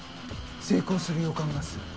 成功する予感がする。